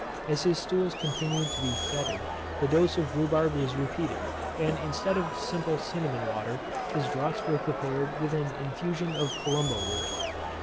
As his stools continued to be foetid, the dose of rhubarb was repeated; and instead of simple cinnamon water, his draughts were prepared with an infusion of columbo root.